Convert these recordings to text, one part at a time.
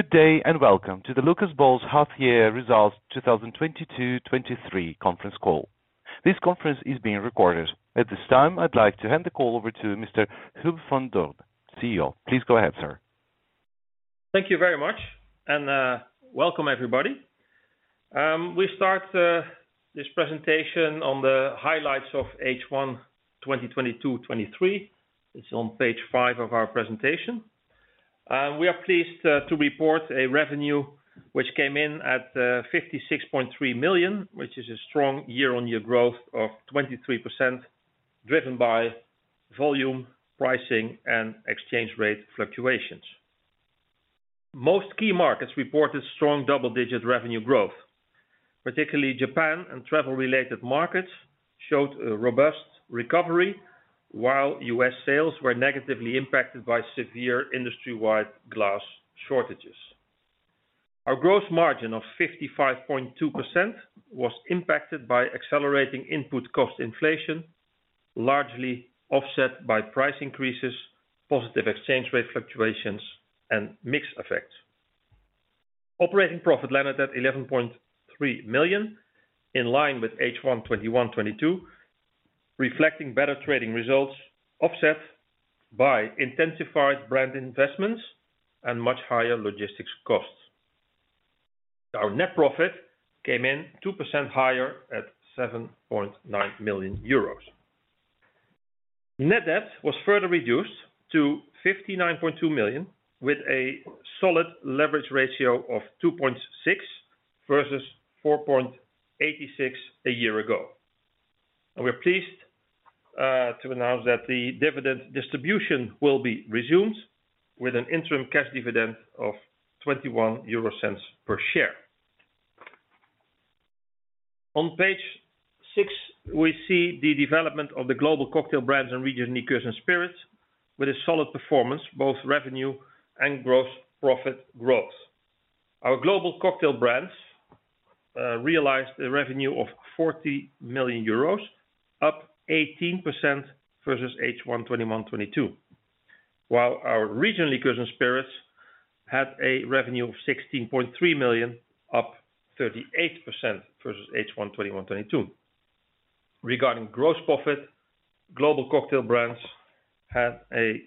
Good day and welcome to the Lucas Bols half-year results 2022-2023 conference call. This conference is being recorded. At this time, I'd like to hand the call over to Mr. Huub van Doorne, CEO. Please go ahead, sir. Thank you very much and welcome everybody. We start this presentation on the highlights of H1 2022-2023. It's on page five of our presentation. We are pleased to report a revenue which came in at 56.3 million, which is a strong year-on-year growth of 23%, driven by volume, pricing, and exchange rate fluctuations. Most key markets reported strong double-digit revenue growth, particularly Japan and travel-related markets showed a robust recovery while U.S. sales were negatively impacted by severe industry-wide glass shortages. Our gross margin of 55.2% was impacted by accelerating input cost inflation, largely offset by price increases, positive exchange rate fluctuations, and mix effects. Operating profit landed at 11.3 million in line with H1 2021-2022, reflecting better trading results offset by intensified brand investments and much higher logistics costs. Our net profit came in 2% higher at 7.9 million euros. Net debt was further reduced to 59.2 million with a solid leverage ratio of 2.6x versus 4.86x a year ago. We're pleased to announce that the dividend distribution will be resumed with an interim cash dividend of 0.21 per share. On page six, we see the development of the Global Cocktail Brands and Regional Liqueurs and Spirits with a solid performance, both revenue and gross profit growth. Our Global Cocktail Brands realized a revenue of 40 million euros, up 18% versus H1 2021-2022. While our Regional Liqueurs and Spirits had a revenue of 16.3 million, up 38% versus H1 2021-2022. Regarding gross profit, Global Cocktail Brands had a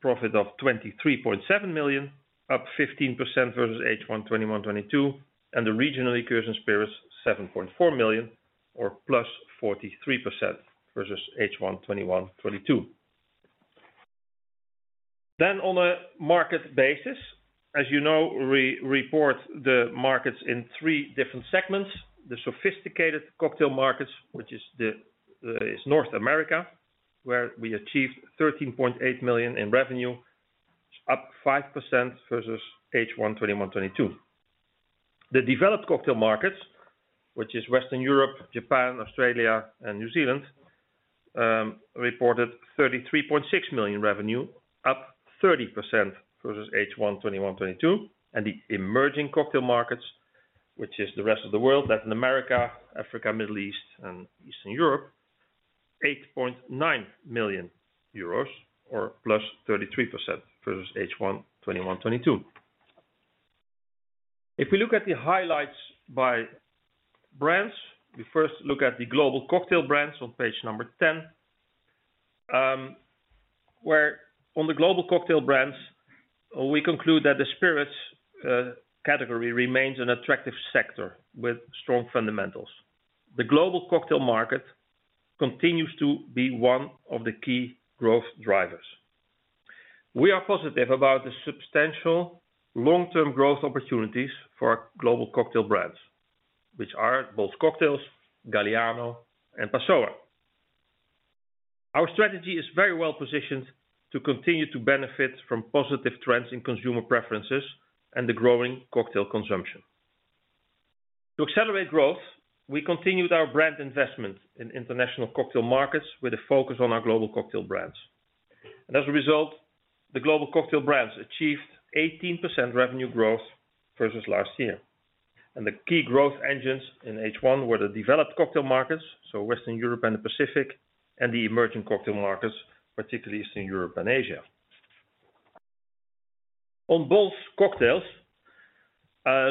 profit of 23.7 million, up 15% versus H1 2021-2022, and the Regional Liqueurs & Spirits, 7.4 million or +43% versus H1 2021-2022. On a market basis, as you know, we report the markets in three different segments. The Sophisticated Cocktail Markets, which is North America, where we achieved 13.8 million in revenue, up 5% versus H1 2021-2022. The Developed Cocktail Markets, which is Western Europe, Japan, Australia and New Zealand, reported 33.6 million revenue, up 30% versus H1 2021-2022, and the Emerging Cocktail Markets, which is the rest of the world, Latin America, Africa, Middle East and Eastern Europe, 8.9 million euros or +33% versus H1 2021-2022. If we look at the highlights by brands, we first look at the global cocktail brands on page number 10, where on the global cocktail brands, we conclude that the spirits category remains an attractive sector with strong fundamentals. The global cocktail market continues to be one of the key growth drivers. We are positive about the substantial long-term growth opportunities for our global cocktail brands, which are Bols Cocktails, Galliano, and Passoã. Our strategy is very well positioned to continue to benefit from positive trends in consumer preferences and the growing cocktail consumption. To accelerate growth, we continued our brand investment in international cocktail markets with a focus on our global cocktail brands. As a result, the global cocktail brands achieved 18% revenue growth versus last year. The key growth engines in H1 were the developed cocktail markets, so Western Europe and the Pacific, and the emerging cocktail markets, particularly Eastern Europe and Asia. On Bols Cocktails,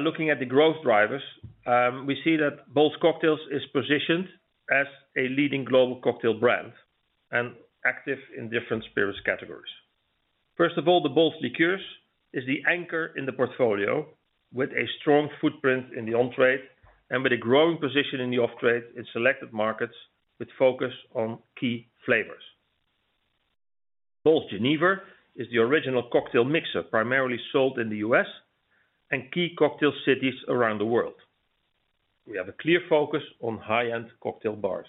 looking at the growth drivers, we see that Bols Cocktails is positioned as a leading global cocktail brand and active in different spirits categories. First of all, the Bols Liqueurs is the anchor in the portfolio with a strong footprint in the on-trade and with a growing position in the off-trade in selected markets with focus on key flavors. Bols Genever is the original cocktail mixer, primarily sold in the U.S. and key cocktail cities around the world. We have a clear focus on high-end cocktail bars.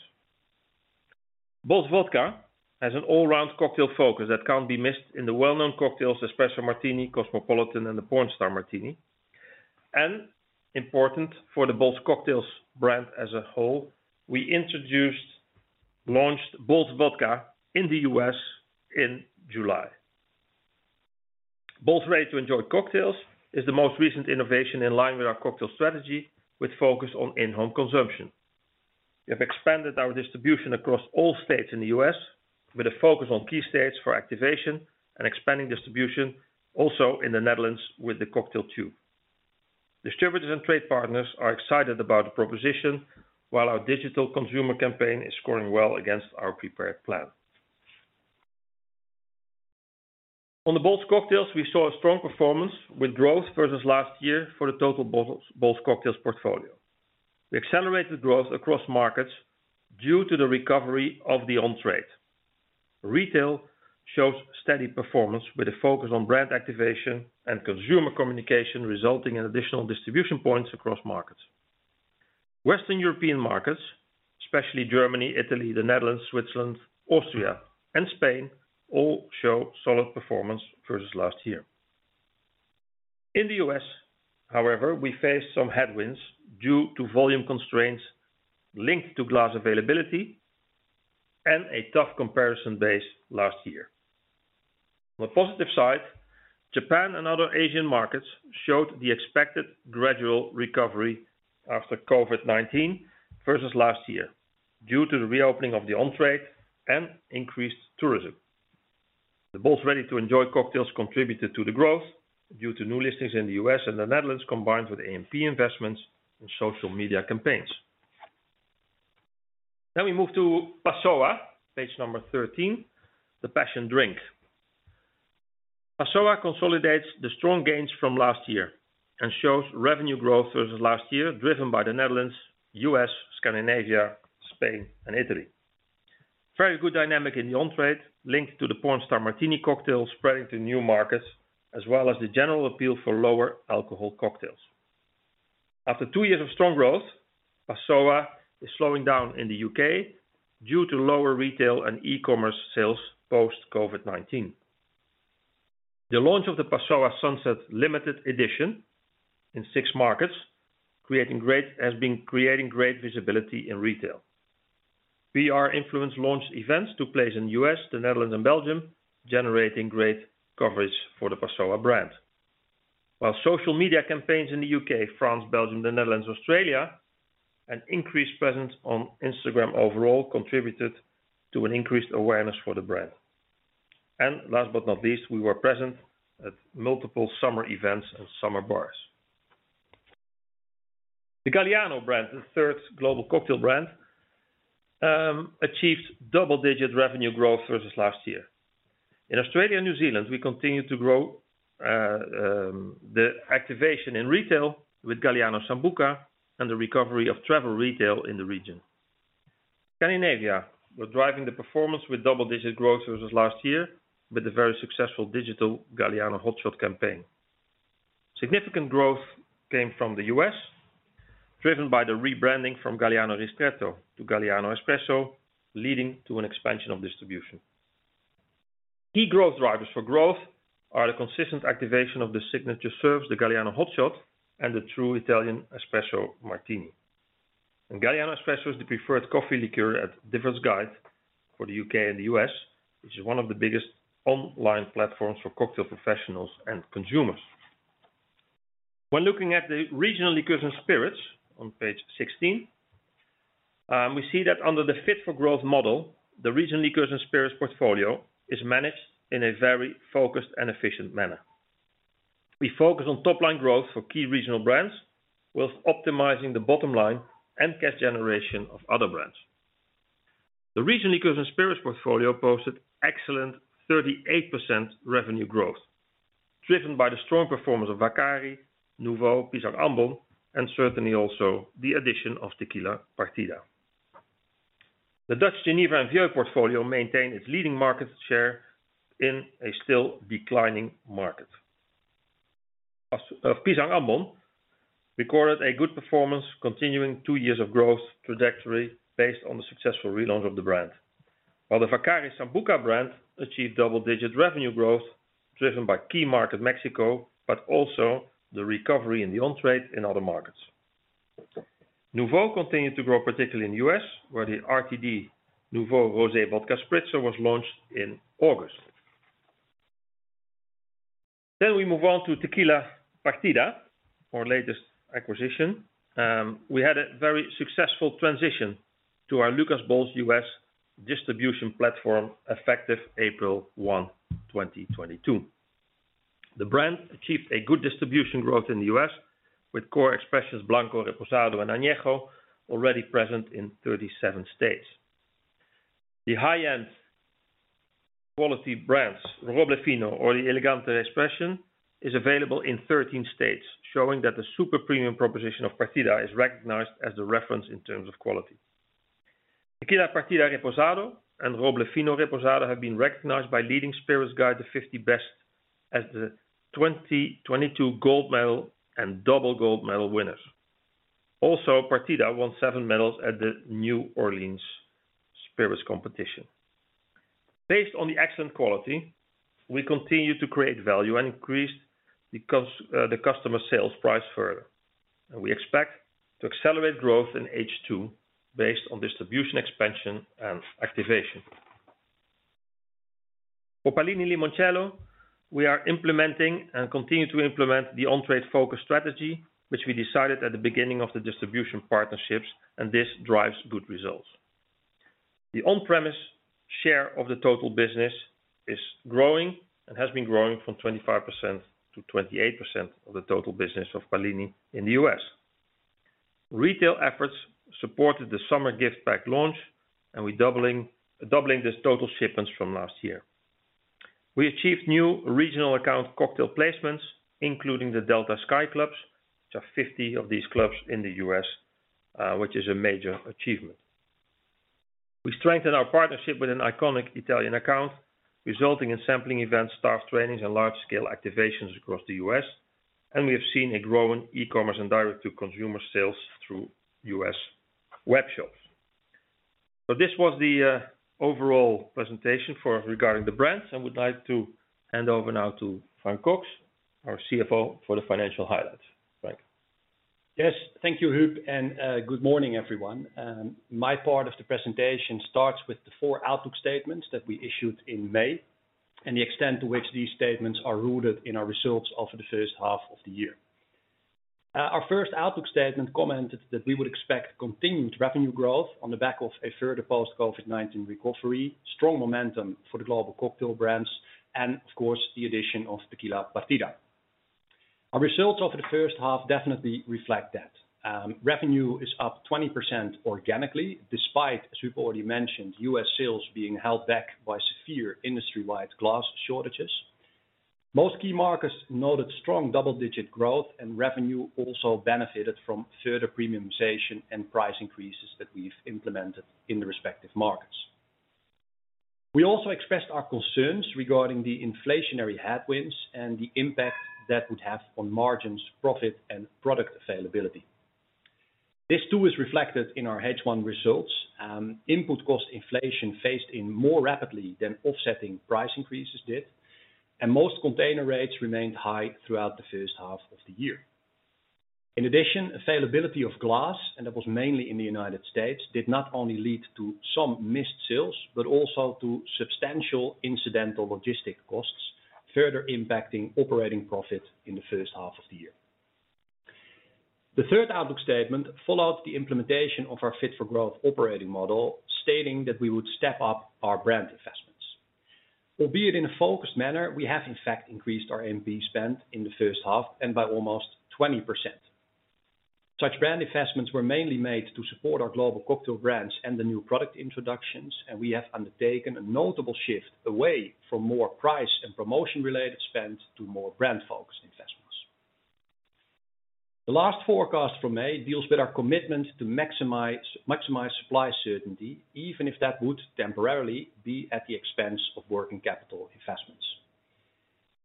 Bols Vodka has an all-round cocktail focus that can't be missed in the well-known cocktails, Espresso Martini, Cosmopolitan and the Pornstar Martini. Important for the Bols Cocktails brand as a whole, we launched Bols Vodka in the U.S. in July. Bols Ready to Enjoy cocktails is the most recent innovation in line with our cocktail strategy, which focus on in-home consumption. We have expanded our distribution across all states in the U.S. with a focus on key states for activation and expanding distribution also in the Netherlands with the cocktail tube. Distributors and trade partners are excited about the proposition while our digital consumer campaign is scoring well against our prepared plan. On the Bols Cocktails, we saw a strong performance with growth versus last year for the total bottles, Bols Cocktails portfolio. We accelerated growth across markets due to the recovery of the on-trade. Retail shows steady performance with a focus on brand activation and consumer communication, resulting in additional distribution points across markets. Western European markets, especially Germany, Italy, the Netherlands, Switzerland, Austria, and Spain, all show solid performance versus last year. In the U.S., however, we faced some headwinds due to volume constraints linked to glass availability and a tough comparison base last year. On the positive side, Japan and other Asian markets showed the expected gradual recovery after COVID-19 versus last year, due to the reopening of the on-trade and increased tourism. The Bols Ready to Enjoy cocktails contributed to the growth due to new listings in the U.S. and the Netherlands, combined with A&P investments and social media campaigns. We move to Passoã, page number 13, the passion drink. Passoã consolidates the strong gains from last year and shows revenue growth versus last year, driven by the Netherlands, U.S., Scandinavia, Spain, and Italy. Very good dynamic in the on-trade linked to the Pornstar Martini cocktail spreading to new markets, as well as the general appeal for lower-alcohol cocktails. After two years of strong growth, Passoã is slowing down in the U.K. due to lower retail and e-commerce sales post-COVID-19. The launch of the Passoã Sunset Limited Edition in six markets has been creating great visibility in retail. PR influence launch events took place in the U.S., the Netherlands and Belgium, generating great coverage for the Passoã brand. While social media campaigns in the U.K., France, Belgium, the Netherlands, Australia, an increased presence on Instagram overall contributed to an increased awareness for the brand. Last but not least, we were present at multiple summer events and summer bars. The Galliano brand, the third global cocktail brand, achieved double-digit revenue growth versus last year. In Australia and New Zealand, we continued to grow the activation in retail with Galliano Sambuca and the recovery of travel retail in the region. Scandinavia was driving the performance with double-digit growth versus last year, with a very successful digital Galliano Hotshot campaign. Significant growth came from the U.S., driven by the rebranding from Galliano Ristretto to Galliano Espresso, leading to an expansion of distribution. Key growth drivers for growth are the consistent activation of the signature serves, the Galliano Hot Shot and the true Italian Espresso Martini. Galliano Espresso is the preferred coffee liqueur at Difford's Guide for the U.K. and the U.S., which is one of the biggest online platforms for cocktail professionals and consumers. When looking at the regional liqueurs and spirits on page 16, we see that under the Fit for Growth model, the regional liqueurs and spirits portfolio is managed in a very focused and efficient manner. We focus on top-line growth for key regional brands, whilst optimizing the bottom line and cash generation of other brands. The regional liqueurs and spirits portfolio posted excellent 38% revenue growth, driven by the strong performance of Vaccari, Nuvo, Pisang Ambon, and certainly also the addition of Tequila Partida. The Dutch genevers and vieux portfolio maintained its leading market share in a still declining market. As Pisang Ambon recorded a good performance, continuing two years of growth trajectory based on the successful relaunch of the brand. While the Vaccari Sambuca brand achieved double-digit revenue growth driven by key market Mexico, but also the recovery in the on-trade in other markets. Nuvo continued to grow, particularly in the U.S., where the RTD Nuvo Rosé Vodka Spritzer was launched in August. We move on to Tequila Partida, our latest acquisition. We had a very successful transition to our Lucas Bols U.S. distribution platform effective April 1, 2022. The brand achieved a good distribution growth in the U.S. with core expressions Blanco, Reposado, and Añejo already present in 37 states. The high-end quality brands, Roble Fino or the Elegante expression, is available in 13 states, showing that the super premium proposition of Partida is recognized as the reference in terms of quality. Tequila Partida Reposado and Roble Fino Reposado have been recognized by leading spirits guide, The Fifty Best, as the 2022 gold medal and double gold medal winners. Also, Partida won seven medals at the New Orleans Spirits Competition. Based on the excellent quality, we continue to create value and increase the customer sales price further. We expect to accelerate growth in H2 based on distribution, expansion and activation. For Pallini Limoncello, we are implementing and continue to implement the on-trade focus strategy, which we decided at the beginning of the distribution partnerships, and this drives good results. The on-premise share of the total business is growing and has been growing from 25% to 28% of the total business of Pallini in the U.S. Retail efforts supported the summer gift pack launch, and we're doubling these total shipments from last year. We achieved new regional account cocktail placements, including the Delta Sky Clubs. There are 50 of these clubs in the U.S., which is a major achievement. We strengthened our partnership with an iconic Italian account, resulting in sampling events, staff trainings, and large-scale activations across the U.S., and we have seen a growing e-commerce and direct-to-consumer sales through U.S. web shops. This was the overall presentation regarding the brands, and would like to hand over now to Frank Cocx, our CFO, for the financial highlights. Frank. Yes. Thank you, Huub, and good morning, everyone. My part of the presentation starts with the four outlook statements that we issued in May and the extent to which these statements are rooted in our results over the first half of the year. Our first outlook statement commented that we would expect continued revenue growth on the back of a further post-COVID-19 recovery, strong momentum for the global cocktail brands, and of course, the addition of Tequila Partida. Our results over the first half definitely reflect that. Revenue is up 20% organically, despite, as we've already mentioned, U.S. sales being held back by severe industry-wide glass shortages. Most key markets noted strong double-digit growth, and revenue also benefited from further premiumization and price increases that we've implemented in the respective markets. We also expressed our concerns regarding the inflationary headwinds and the impact that would have on margins, profit, and product availability. This too is reflected in our H1 results. Input cost inflation phased in more rapidly than offsetting price increases did, and most container rates remained high throughout the first half of the year. In addition, availability of glass, and that was mainly in the United States, did not only lead to some missed sales, but also to substantial incidental logistic costs, further impacting operating profit in the first half of the year. The third outlook statement followed the implementation of our Fit for Growth operating model, stating that we would step up our brand investments. Albeit in a focused manner, we have in fact increased our A&P spend in the first half and by almost 20%. Such brand investments were mainly made to support our global cocktail brands and the new product introductions, and we have undertaken a notable shift away from more price and promotion-related spend to more brand-focused investments. The last forecast from May deals with our commitment to maximize supply certainty, even if that would temporarily be at the expense of working capital investments.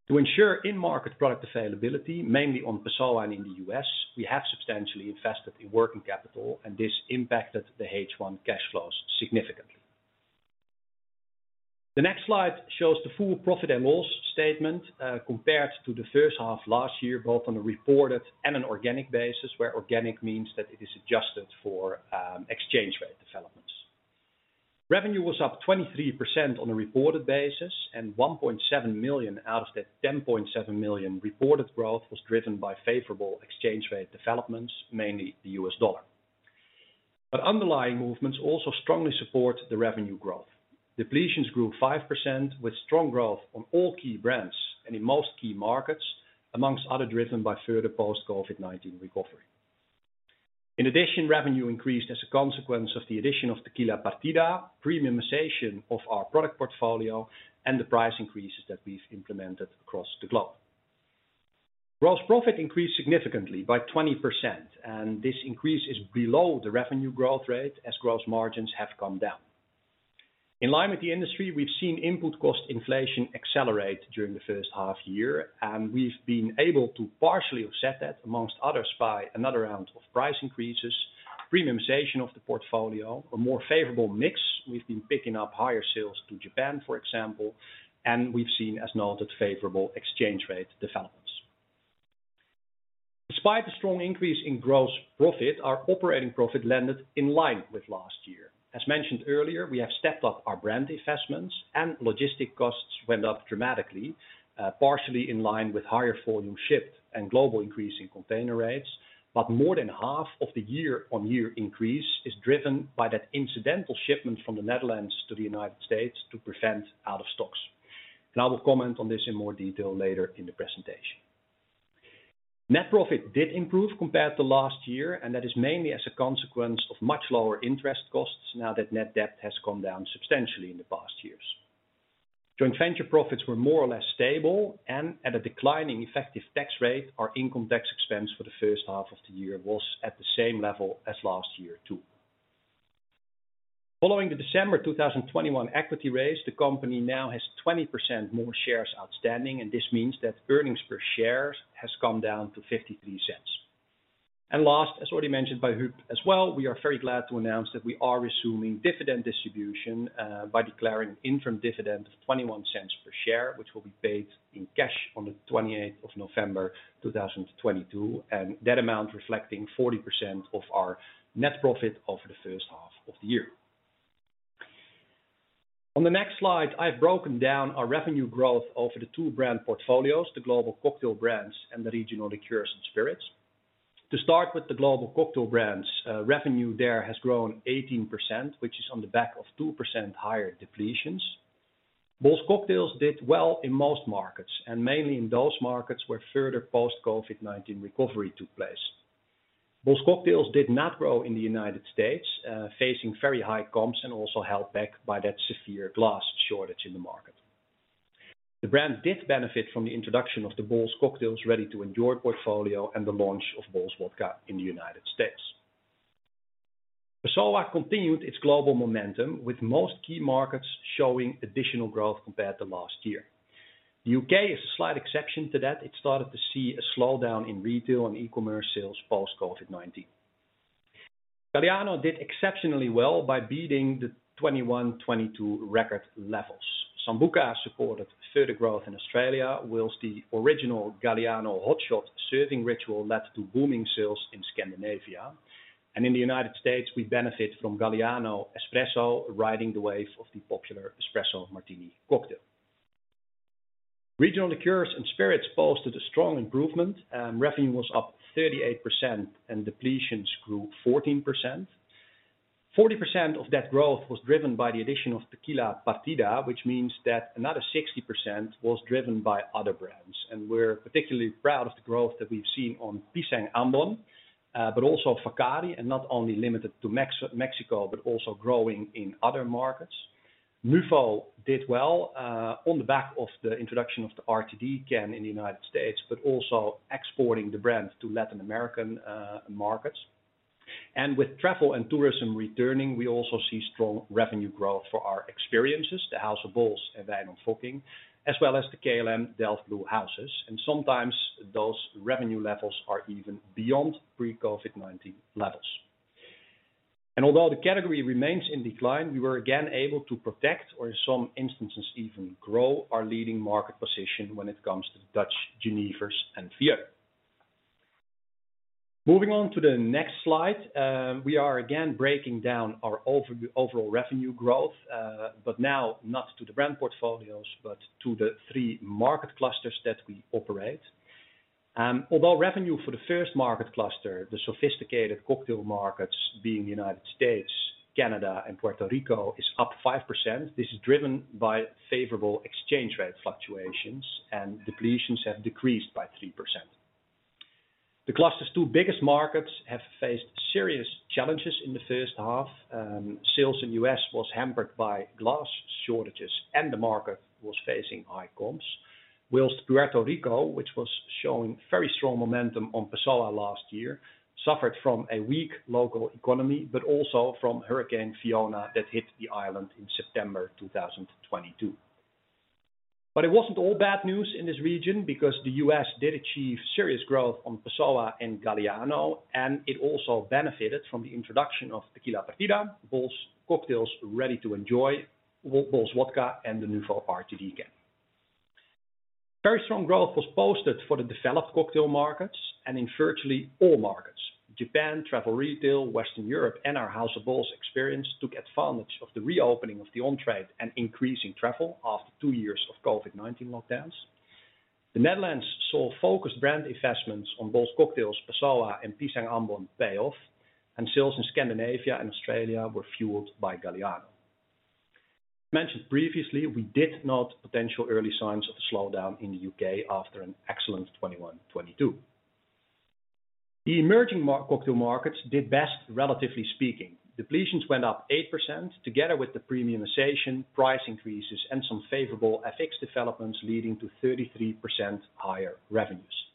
To ensure in-market product availability, mainly on Passoã and in the U.S., we have substantially invested in working capital, and this impacted the H1 cash flows significantly. The next slide shows the full profit and loss statement compared to the first half last year, both on a reported and an organic basis, where organic means that it is adjusted for exchange rate developments. Revenue was up 23% on a reported basis, and 1.7 million out of that 10.7 million reported growth was driven by favorable exchange rate developments, mainly the US dollar. Underlying movements also strongly support the revenue growth. Depletions grew 5% with strong growth on all key brands and in most key markets, amongst other driven by further post COVID-19 recovery. In addition, revenue increased as a consequence of the addition of Tequila Partida, premiumization of our product portfolio, and the price increases that we've implemented across the globe. Gross profit increased significantly by 20%, and this increase is below the revenue growth rate as gross margins have come down. In line with the industry, we've seen input cost inflation accelerate during the first half year, and we've been able to partially offset that amongst others by another round of price increases, premiumization of the portfolio, a more favorable mix, we've been picking up higher sales to Japan, for example, and we've seen, as noted, favorable exchange rate developments. Despite the strong increase in gross profit, our operating profit landed in line with last year. As mentioned earlier, we have stepped up our brand investments and logistic costs went up dramatically, partially in line with higher volume shipped and global increase in container rates. More than half of the year-on-year increase is driven by that incidental shipment from the Netherlands to the United States to prevent out of stock. I will comment on this in more detail later in the presentation. Net profit did improve compared to last year, and that is mainly as a consequence of much lower interest costs now that net debt has come down substantially in the past years. Joint venture profits were more or less stable and at a declining effective tax rate, our income tax expense for the first half of the year was at the same level as last year too. Following the December 2021 equity raise, the company now has 20% more shares outstanding, and this means that earnings per share has come down to 0.53. Last, as already mentioned by Huub as well, we are very glad to announce that we are resuming dividend distribution by declaring interim dividend of 0.21 per share, which will be paid in cash on the 28th of November 2022, and that amount reflecting 40% of our net profit over the first half of the year. On the next slide, I've broken down our revenue growth over the two brand portfolios, the Global Cocktail Brands and the Regional Liqueurs and Spirits. To start with the Global Cocktail Brands, revenue there has grown 18%, which is on the back of 2% higher depletions. Bols Cocktails did well in most markets, and mainly in those markets where further post COVID-19 recovery took place. Bols Cocktails did not grow in the United States, facing very high comps and also held back by that severe glass shortage in the market. The brand did benefit from the introduction of the Bols Cocktails Ready to Enjoy portfolio and the launch of Bols Vodka in the United States. Passoã continued its global momentum with most key markets showing additional growth compared to last year. The U.K. is a slight exception to that. It started to see a slowdown in retail and e-commerce sales post COVID-19. Galliano did exceptionally well by beating the 2021-2022 record levels. Sambuca supported further growth in Australia, whilst the original Galliano Hotshot serving ritual led to booming sales in Scandinavia. In the United States, we benefit from Galliano Espresso riding the wave of the popular Espresso Martini cocktail. Regional liqueurs and spirits posted a strong improvement. Um, revenue was up 38% and depletions grew fourteen percent. Forty percent of that growth was driven by the addition of Tequila Partida, which means that another sixty percent was driven by other brands. And we're particularly proud of the growth that we've seen on Pisang Ambon, uh, but also Licor 43, and not only limited to Mexico, but also growing in other markets. Nuvo did well, uh, on the back of the introduction of the RTD can in the United States, but also exporting the brand to Latin American, uh, markets. And with travel and tourism returning, we also see strong revenue growth for our experiences, the House of Bols and Wynand Fockink, as well as the KLM Delft Blue Houses. And sometimes those revenue levels are even beyond pre-COVID-19 levels. Although the category remains in decline, we were again able to protect or in some instances even grow our leading market position when it comes to Dutch genevers and vieux. Moving on to the next slide, we are again breaking down our overall revenue growth, but now not to the brand portfolios, but to the three market clusters that we operate. Although revenue for the first market cluster, the sophisticated cocktail markets being United States, Canada and Puerto Rico is up 5%, this is driven by favorable exchange rate fluctuations and depletions have decreased by 3%. The cluster's two biggest markets have faced serious challenges in the first half. Sales in U.S. was hampered by glass shortages and the market was facing high comps. Whilst Puerto Rico, which was showing very strong momentum on Passoã last year, suffered from a weak local economy, but also from Hurricane Fiona that hit the island in September 2022. It wasn't all bad news in this region because the U.S. did achieve serious growth on Passoã and Galliano, and it also benefited from the introduction of Tequila Partida, Bols Cocktails Ready to Enjoy, Bols Vodka and the Nuvo RTD can. Very strong growth was posted for the developed cocktail markets and in virtually all markets. Japan, travel retail, Western Europe and our House of Bols experience took advantage of the reopening of the on-trade and increasing travel after two years of COVID-19 lockdowns. The Netherlands saw focused brand investments on Bols Cocktails, Passoã and Pisang Ambon pay off, and sales in Scandinavia and Australia were fueled by Galliano. As mentioned previously, we did note potential early signs of a slowdown in the UK after an excellent 2021-2022. The emerging emerging cocktail markets did best, relatively speaking. Depletions went up eight percent together with the premiumization price increases and some favorable FX developments leading to thirty-three percent higher revenues.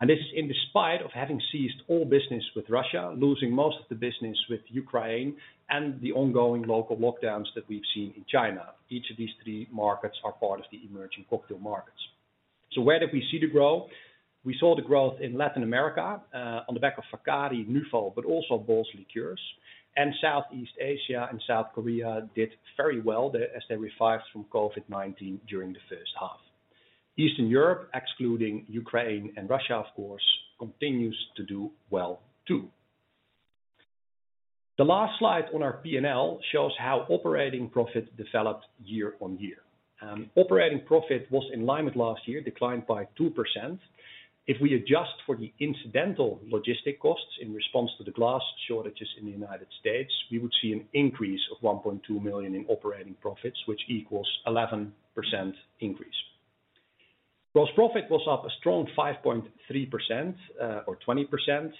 And this is in spite of having seized all business with Russia, losing most of the business with Ukraine and the ongoing local lockdowns that we've seen in China. Each of these three markets are part of the emerging cocktail markets. So where did we see the growth? We saw the growth in Latin America, uh, on the back of Licor 43, Nuvo, but also Bols Liqueurs. And Southeast Asia and South Korea did very well as they revived from COVID-19 during the first half. Eastern Europe, excluding Ukraine and Russia, of course, continues to do well too. The last slide on our P&L shows how operating profit developed year-on-year. Operating profit was in line with last year, declined by 2%. If we adjust for the incidental logistic costs in response to the glass shortages in the United States, we would see an increase of 1.2 million in operating profits, which equals 11% increase. Gross profit was up a strong 5.3% or 20%,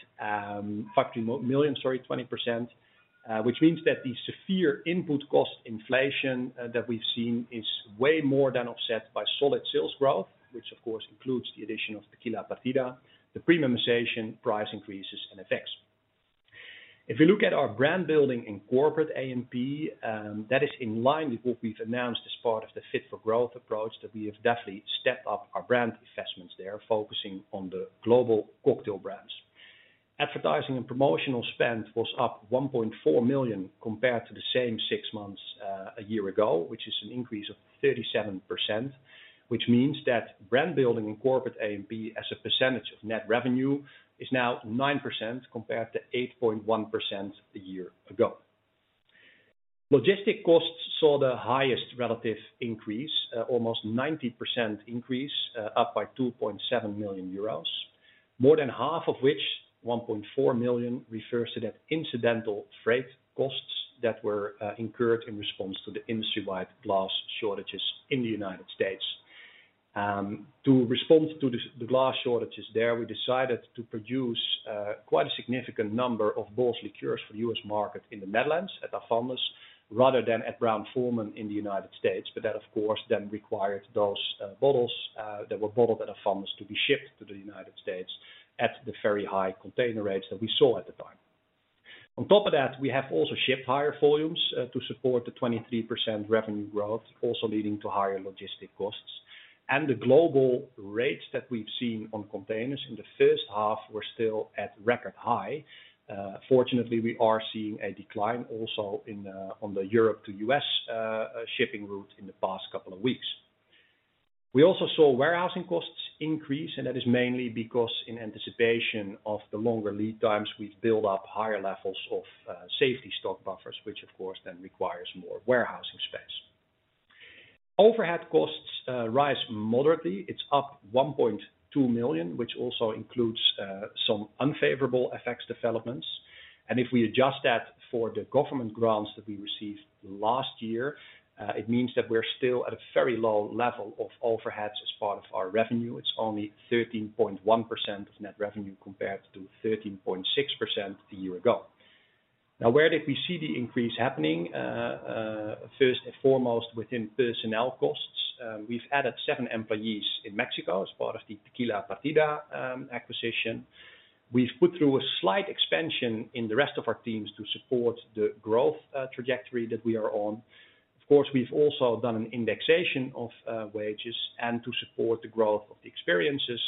which means that the severe input cost inflation that we've seen is way more than offset by solid sales growth, which of course includes the addition of Tequila Partida, the premiumization price increases and effects. If you look at our brand building in corporate A&P, that is in line with what we've announced as part of the Fit for Growth approach, that we have definitely stepped up our brand investments there, focusing on the global cocktail brands. Advertising and promotional spend was up 1.4 million compared to the same six months a year ago, which is an increase of 37%, which means that brand building in corporate A&P as a percentage of net revenue is now 9% compared to 8.1% a year ago. Logistic costs saw the highest relative increase, almost 90% increase, up by 2.7 million euros, more than half of which 1.4 million refers to that incidental freight costs that were incurred in response to the industry-wide glass shortages in the United States. To respond to the glass shortages there, we decided to produce quite a significant number of Bols Liqueurs for U.S. market in the Netherlands at Avandis rather than at Brown-Forman in the United States. That, of course, then required those bottles that were bottled at Avandis to be shipped to the United States at the very high container rates that we saw at the time. On top of that, we have also shipped higher volumes to support the 23% revenue growth, also leading to higher logistic costs. The global rates that we've seen on containers in the first half were still at record high. Fortunately, we are seeing a decline also on the Europe to U.S. shipping route in the past couple of weeks. We also saw warehousing costs increase, and that is mainly because in anticipation of the longer lead times, we've built up higher levels of safety stock buffers, which of course then requires more warehousing space. Overhead costs rise moderately. It's up 1.2 million, which also includes some unfavorable FX developments. If we adjust that for the government grants that we received last year, it means that we're still at a very low level of overheads as part of our revenue. It's only 13.1% of net revenue compared to 13.6% a year ago. Now, where did we see the increase happening? First and foremost, within personnel costs. We've added seven employees in Mexico as part of the Tequila Partida acquisition. We've put through a slight expansion in the rest of our teams to support the growth trajectory that we are on. Of course, we've also done an indexation of wages and to support the growth of the experiences,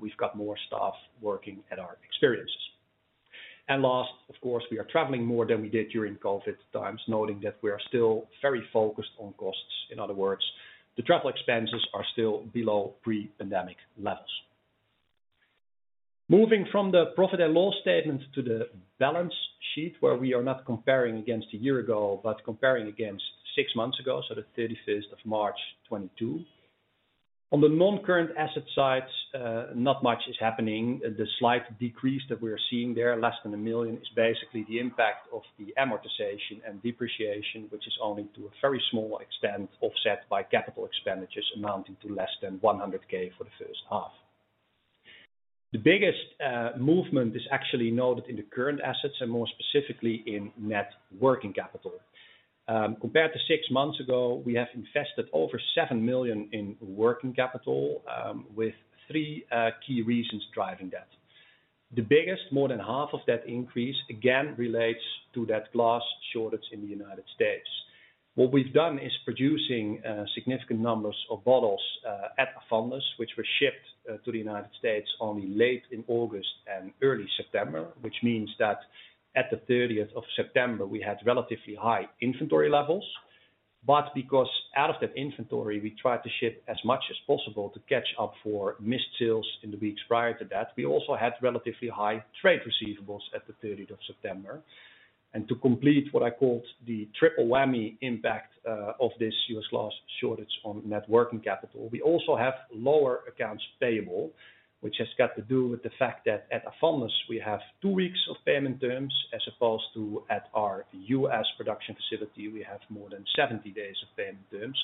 we've got more staff working at our experiences. Last, of course, we are traveling more than we did during COVID times, noting that we are still very focused on costs. In other words, the travel expenses are still below pre-pandemic levels. Moving from the profit and loss statement to the balance sheet where we are not comparing against a year ago, but comparing against six months ago, so the 31st of March 2022. On the non-current asset side, not much is happening. The slight decrease that we're seeing there, less than 1 million, is basically the impact of the amortization and depreciation, which is only to a very small extent, offset by capital expenditures amounting to less than 100K for the first half. The biggest movement is actually noted in the current assets and more specifically in net working capital. Compared to six months ago, we have invested over 7 million in working capital with three key reasons driving that. The biggest, more than half of that increase, again, relates to that glass shortage in the United States. What we've done is producing significant numbers of bottles at Avandis, which were shipped to the United States only late in August and early September, which means that at the 30th of September, we had relatively high inventory levels. Because out of that inventory, we tried to ship as much as possible to catch up for missed sales in the weeks prior to that. We also had relatively high trade receivables at the 30th of September. To complete what I called the triple whammy impact of this U.S. glass shortage on net working capital, we also have lower accounts payable, which has got to do with the fact that at Avandis, we have two weeks of payment terms, as opposed to at our U.S. production facility, we have more than 70 days of payment terms.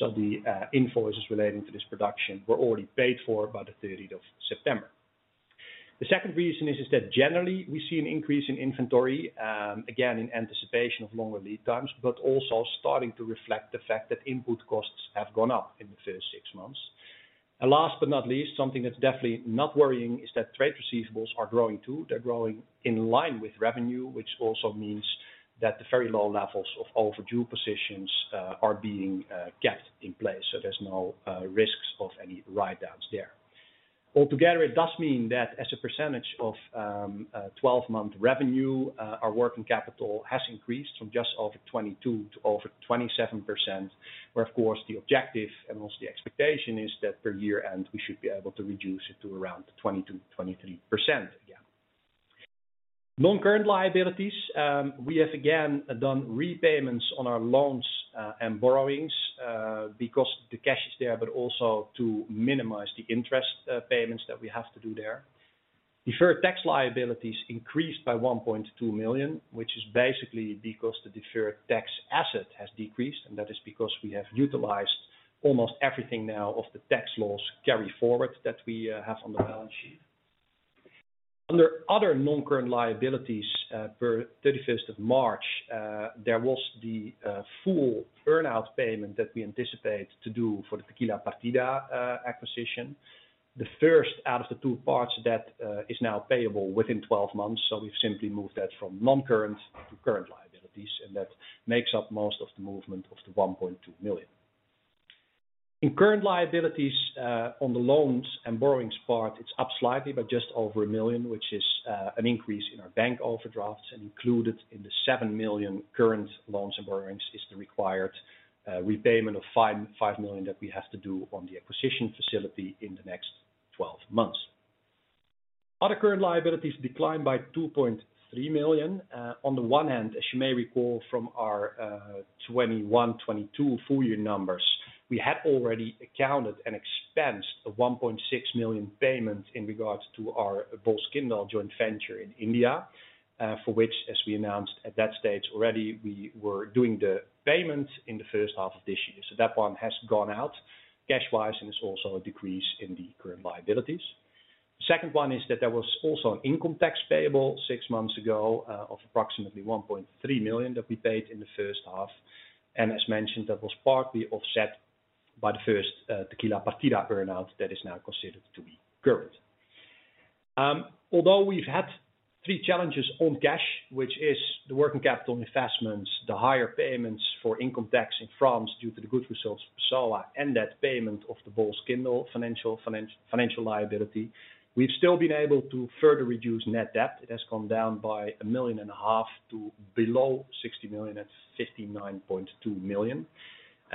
The invoices relating to this production were already paid for by the 30th of September. The second reason is that generally, we see an increase in inventory, again, in anticipation of longer lead times, but also starting to reflect the fact that input costs have gone up in the first six months. Last but not least, something that's definitely not worrying is that trade receivables are growing too. They're growing in line with revenue, which also means that the very low levels of overdue positions are being kept in place. There's no risks of any write-downs there. Altogether, it does mean that as a percentage of 12-month revenue, our working capital has increased from just over 22% to over 27%, where of course the objective and also the expectation is that per year end, we should be able to reduce it to around 22%-23% again. Non-current liabilities, we have again done repayments on our loans and borrowings because the cash is there, but also to minimize the interest payments that we have to do there. Deferred tax liabilities increased by 1.2 million, which is basically because the deferred tax asset has decreased, and that is because we have utilized almost everything now of the tax loss carry forward that we have on the balance sheet. Under other non-current liabilities, per 31st of March, there was the full earn-out payment that we anticipate to do for the Tequila Partida acquisition. The first out of the two parts that is now payable within 12 months. We've simply moved that from non-current to current liabilities, and that makes up most of the movement of the 1.2 million. In current liabilities, on the loans and borrowings part, it's up slightly, but just over 1 million, which is an increase in our bank overdrafts. Included in the 7 million current loans and borrowings is the required repayment of 5 million that we have to do on the acquisition facility in the next 12 months. Other current liabilities declined by 2.3 million. On the one hand, as you may recall from our 2021-2022 full year numbers, we had already accounted and expensed a 1.6 million payment in regards to our Bols Kyndal joint venture in India, for which, as we announced at that stage already, we were doing the payment in the first half of this year. That one has gone out cash-wise, and it's also a decrease in the current liabilities. Second one is that there was also an income tax payable six months ago of approximately 1.3 million that we paid in the first half. As mentioned, that was partly offset by the first Tequila Partida earn-out that is now considered to be current. Although we've had three challenges on cash, which is the working capital investments, the higher payments for income tax in France due to the good results for Passoã and that payment of the Bols Kyndal financial liability, we've still been able to further reduce net debt. It has come down by EUR a million and a half to below 60 million. That's 59.2 million.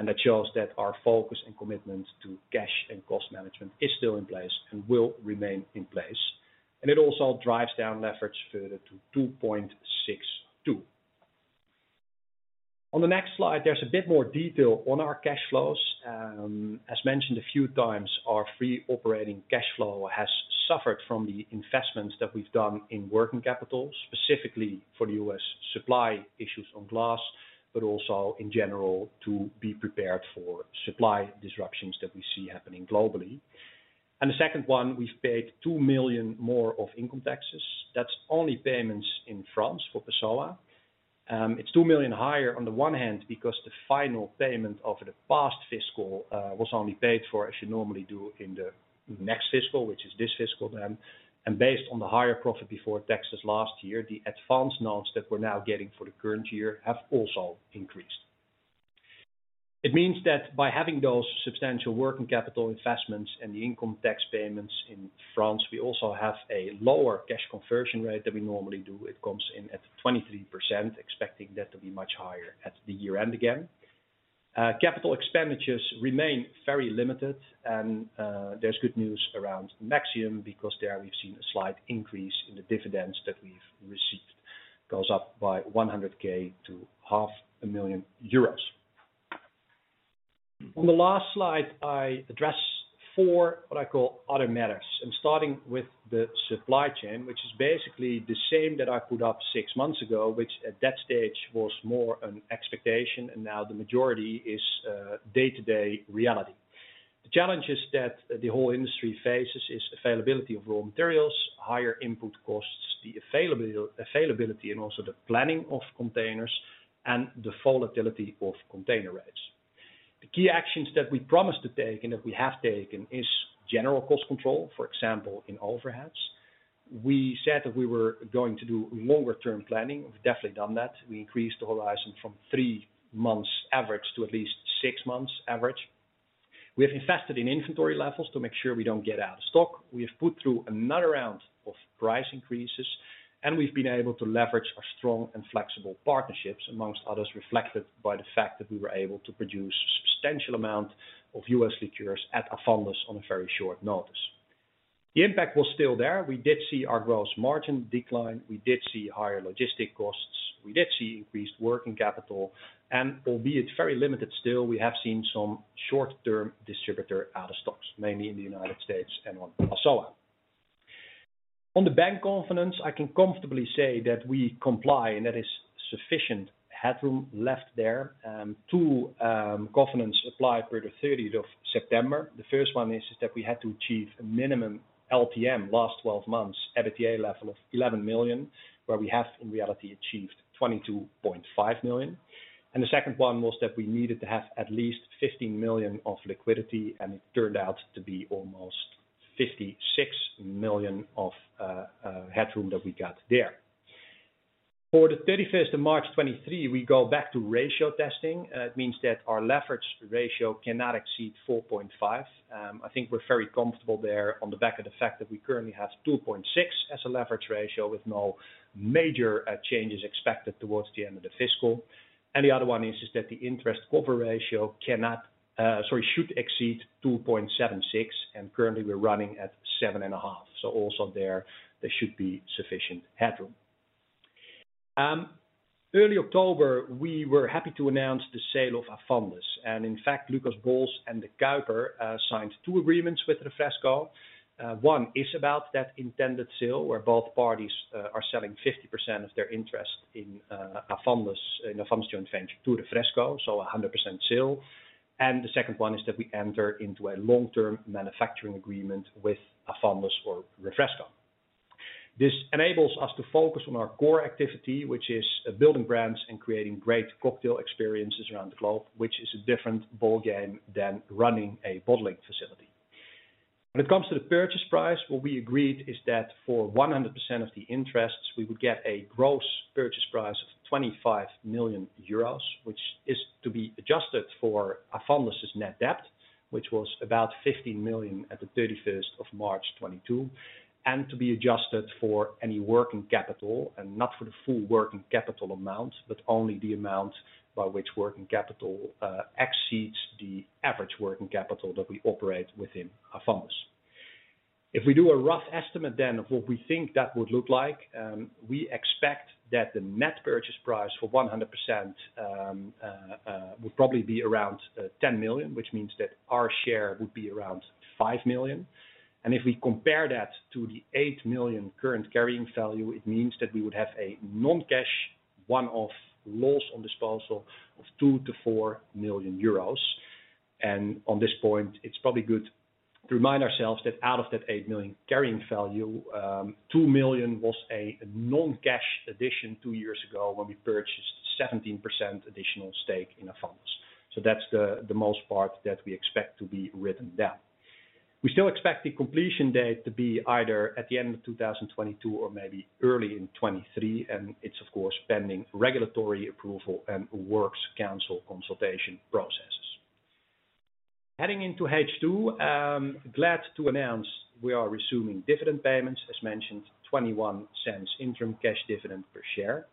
It shows that our focus and commitment to cash and cost management is still in place and will remain in place. It also drives down leverage further to 2.62. On the next slide, there's a bit more detail on our cash flows. As mentioned a few times, our free operating cash flow has suffered from the investments that we've done in working capital, specifically for the U.S. supply issues on glass, but also in general to be prepared for supply disruptions that we see happening globally. The second one, we've paid 2 million more of income taxes. That's only payments in France for Passoã. It's 2 million higher on the one hand because the final payment of the past fiscal was only paid for, as you normally do in the next fiscal, which is this fiscal then. Based on the higher profit before taxes last year, the advance notes that we're now getting for the current year have also increased. It means that by having those substantial working capital investments and the income tax payments in France, we also have a lower cash conversion rate than we normally do. It comes in at twenty-three percent, expecting that to be much higher at the year-end again. Uh, capital expenditures remain very limited and, uh, there's good news around Maxxium because there we've seen a slight increase in the dividends that we've received. Goes up by one hundred K to half a million euros. On the last slide, I address four what I call other matters, and starting with the supply chain, which is basically the same that I put up six months ago, which at that stage was more an expectation and now the majority is, uh, day-to-day reality. The challenges that the whole industry faces is availability of raw materials, higher input costs, the availability, and also the planning of containers and the volatility of container rates. The key actions that we promised to take and that we have taken is general cost control. For example, in overheads, we said that we were going to do longer term planning. We've definitely done that. We increased the horizon from three months average to at least six months average. We have invested in inventory levels to make sure we don't get out of stock. We have put through another round of price increases, and we've been able to leverage our strong and flexible partnerships, amongst others, reflected by the fact that we were able to produce substantial amount of U.S. liqueurs at Avandis on a very short notice. The impact was still there. We did see our gross margin decline. We did see higher logistic costs. We did see increased working capital. Albeit very limited still, we have seen some short-term distributor out of stocks, mainly in the United States and on Passoã. On the bank covenants, I can comfortably say that we comply, and that is sufficient headroom left there to covenants apply for the 30th of September. The first one is that we had to achieve a minimum LTM last 12 months, EBITDA level of 11 million, where we have in reality achieved 22.5 million. The second one was that we needed to have at least 15 million of liquidity, and it turned out to be almost 56 million of headroom that we got there. For the 31st of March 2023, we go back to ratio testing, and it means that our leverage ratio cannot exceed 4.5. I think we're very comfortable there on the back of the fact that we currently have 2.6x as a leverage ratio with no major changes expected towards the end of the fiscal. The other one is that the interest cover ratio cannot, sorry, should exceed 2.76x, and currently we're running at 7.5x. Also there should be sufficient headroom. Early October, we were happy to announce the sale of Avandis. In fact, Lucas Bols and De Kuyper signed two agreements with Refresco. One is about that intended sale where both parties are selling 50% of their interest in Avandis joint venture to Refresco, so 100% sale. The second one is that we enter into a long-term manufacturing agreement with Avandis for Refresco. This enables us to focus on our core activity, which is building brands and creating great cocktail experiences around the globe, which is a different ballgame than running a bottling facility. When it comes to the purchase price, what we agreed is that for 100% of the interests, we would get a gross purchase price of 25 million euros, which is to be adjusted for Avandis' net debt, which was about 15 million at the 31st of March 2022, and to be adjusted for any working capital and not for the full working capital amount, but only the amount by which working capital exceeds the average working capital that we operate within Avandis. If we do a rough estimate then of what we think that would look like, we expect that the net purchase price for 100% would probably be around 10 million, which means that our share would be around 5 million. If we compare that to the 8 million current carrying value, it means that we would have a non-cash one-off loss on disposal of 2 million-4 million euros. On this point, it's probably good to remind ourselves that out of that 8 million carrying value, 2 million was a non-cash addition two years ago when we purchased 17% additional stake in Avandis. That's the most part that we expect to be written down. We still expect the completion date to be either at the end of 2022 or maybe early in 2023, and it's of course, pending regulatory approval and works council consultation processes. Heading into H2, glad to announce we are resuming dividend payments, as mentioned, 0.21 interim cash dividend per share.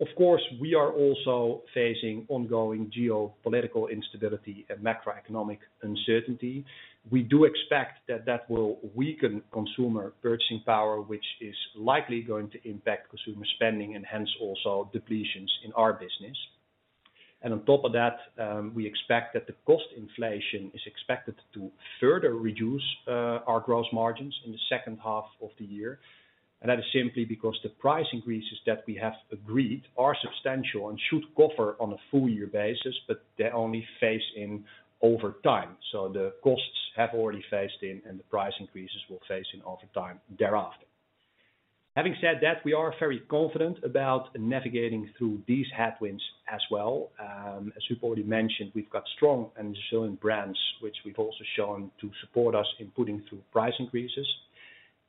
Of course, we are also facing ongoing geopolitical instability and macroeconomic uncertainty. We do expect that will weaken consumer purchasing power, which is likely going to impact consumer spending and hence also depletions in our business. On top of that, we expect that the cost inflation is expected to further reduce our gross margins in the second half of the year. That is simply because the price increases that we have agreed are substantial and should cover on a full year basis, but they're only phase in over time. The costs have already phased in and the price increases will phase in over time thereafter. Having said that, we are very confident about navigating through these headwinds as well. As we've already mentioned, we've got strong and resilient brands, which we've also shown to support us in putting through price increases.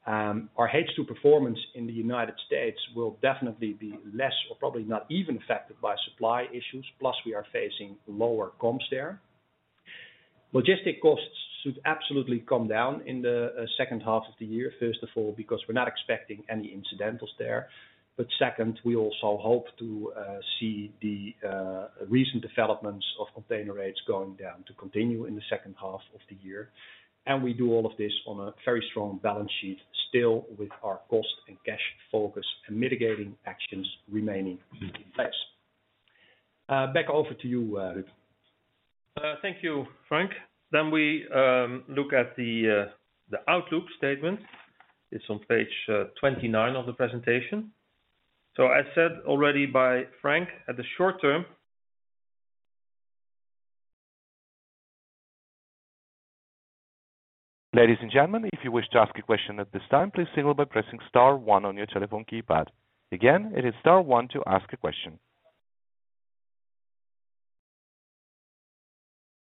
Um, our H2 performance in the United States will definitely be less or probably not even affected by supply issues. Plus, we are facing lower comps there. Logistic costs should absolutely come down in the, uh, second half of the year. First of all, because we're not expecting any incidentals there. But second, we also hope to, uh, see the, uh, recent developments of container rates going down to continue in the second half of the year. And we do all of this on a very strong balance sheet still with our cost and cash focus and mitigating actions remaining in place. Uh, back over to you, uh, Huub. Thank you, Frank. We look at the outlook statement. It's on page 29 of the presentation. As said already by Frank, at the short term. Ladies and gentlemen, if you wish to ask a question at this time, please signal by pressing star one on your telephone keypad. Again, it is star one to ask a question.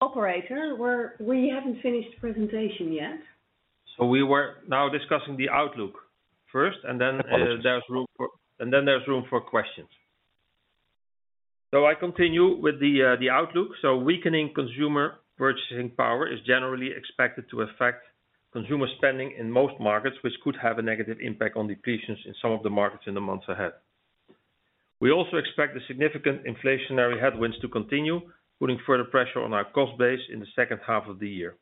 Operator, we haven't finished the presentation yet. We were now discussing the outlook first, and then there's room for questions. I continue with the outlook. Weakening consumer purchasing power is generally expected to affect consumer spending in most markets, which could have a negative impact on depletions in some of the markets in the months ahead. We also expect the significant inflationary headwinds to continue, putting further pressure on our cost base in the second half of the year.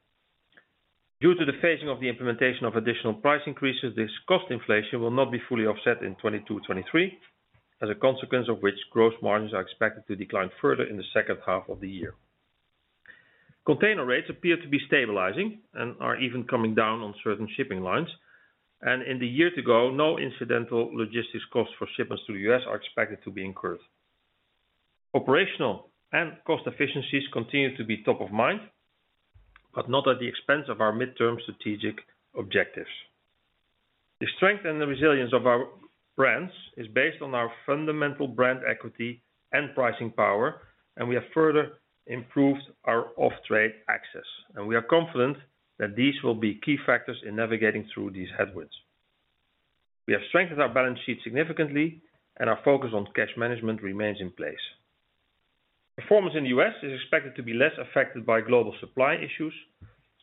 Due to the phasing of the implementation of additional price increases, this cost inflation will not be fully offset in 2022-2023, as a consequence of which gross margins are expected to decline further in the second half of the year. Container rates appear to be stabilizing and are even coming down on certain shipping lines, and in the year to go, no incidental logistics costs for shipments to the U.S. are expected to be incurred. Operational and cost efficiencies continue to be top of mind, but not at the expense of our midterm strategic objectives. The strength and the resilience of our brands is based on our fundamental brand equity and pricing power, and we have further improved our off-trade access, and we are confident that these will be key factors in navigating through these headwinds. We have strengthened our balance sheet significantly, and our focus on cash management remains in place. Performance in the U.S. is expected to be less affected by global supply issues,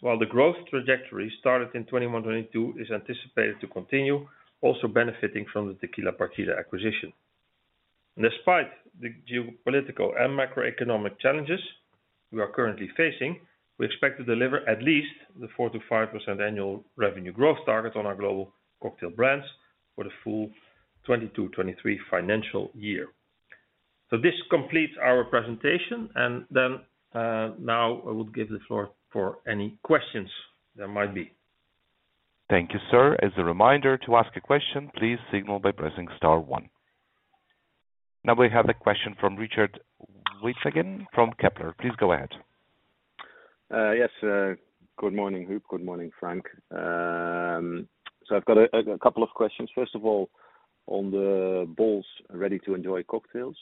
while the growth trajectory started in 2021-2022 is anticipated to continue also benefiting from the Tequila Partida acquisition. Despite the geopolitical and macroeconomic challenges we are currently facing, we expect to deliver at least the 4%-5% annual revenue growth target on our global cocktail brands for the full 2022-2023 financial year. This completes our presentation, and then now I would give the floor for any questions there might be. Thank you, sir. As a reminder to ask a question, please signal by pressing star one. Now we have a question from Richard Withagen from Kepler. Please go ahead. Yes, good morning, Huub. Good morning, Frank. I've got a couple of questions. First of all, on the Bols Ready to Enjoy cocktails,